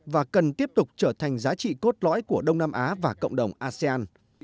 và cần tiếp tục trở thành giá trị cốt lõi của đông nam á và cộng đồng asean